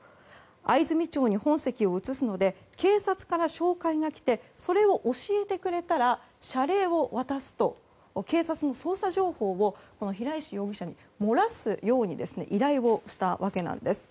藍住町に本籍を移すので警察から照会が来てそれを教えてくれたら謝礼を渡すと警察の捜査情報を平石容疑者に漏らすように依頼をしたわけなんです。